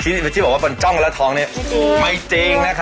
เพราะว่าที่บอกว่าบนจ้องแล้วท้องเนี่ยไม่จริงนะคะ